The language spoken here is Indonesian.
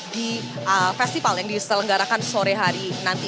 di festival yang diselenggarakan sore hari nanti